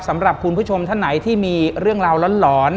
สำหรับคุณผู้ชมท่านไหนที่มีเรื่องราวหลอน